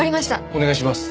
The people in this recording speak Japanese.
お願いします。